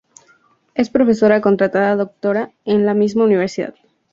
Es profesora Contratada Doctora en la misma universidad.